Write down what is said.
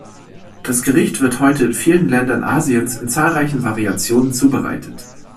Das Gericht wird heute in vielen Ländern Asiens in zahlreichen Variationen zubereitet.